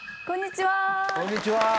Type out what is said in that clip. こんにちは！